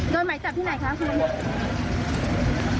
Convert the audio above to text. เดือนหมายจับที่ไหนครับคุณครับ